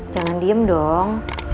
jangan diem dong